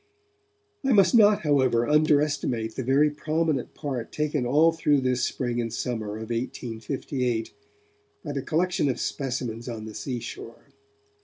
I must not, however, underestimate the very prominent part taken all through this spring and summer of 1858 by the collection of specimens on the seashore.